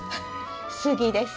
杉です。